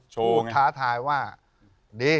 ๑๐๕ฉันท้าทายว่าดี